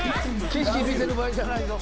景色見ている場合じゃないぞ。